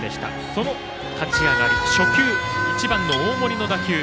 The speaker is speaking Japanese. その立ち上がり初球、１番の大森の打球。